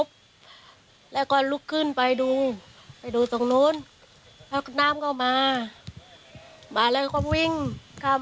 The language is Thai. สามีก็ออกไปดูออกไปดูแล้วสามีวิ่งกลับมาน้ำก็ตามติดมาเลย